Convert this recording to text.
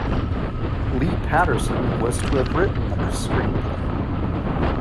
Lee Patterson was to have written the screenplay.